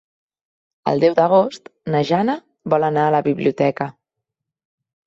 El deu d'agost na Jana vol anar a la biblioteca.